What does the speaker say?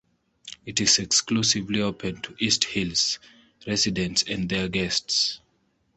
It is exclusively open to East Hills residents and their guests.